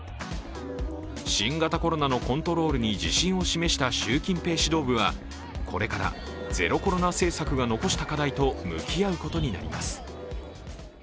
新型コロナのコントロールに自信を示した習近平指導部はこれからゼロコロナ政策が残した課題と向き合うことになります。